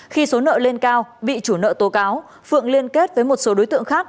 khi số nợ lên cao bị chủ nợ tố cáo phượng liên kết với một số đối tượng khác